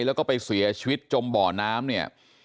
แล้วก็ไปเสียชีวิตจมบ่อน้ำเนี่ย